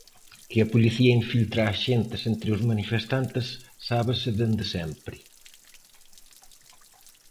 Que a policía infiltra axentes entre os manifestantes sábese dende sempre.